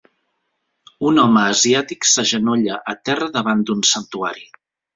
Un home asiàtic s'agenolla a terra davant un santuari